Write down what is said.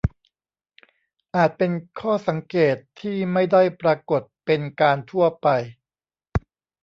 อาจเป็นข้อสังเกตที่ไม่ได้ปรากฏเป็นการทั่วไป